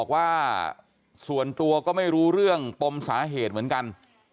ว่าส่วนตัวก็ไม่รู้เรื่องปมสาเหตุเหมือนกัน